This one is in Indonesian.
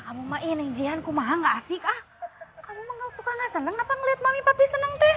kamu mainin jian kumaha enggak asyik ah kamu suka ngesen apa ngeliat mami papi seneng teh